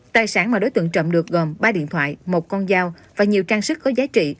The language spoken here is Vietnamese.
tài sản mà đối tượng trộm được gồm ba điện thoại một con dao và nhiều trang sức có giá trị